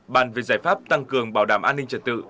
bàn về giải pháp tăng cường bảo đảm an ninh trật tự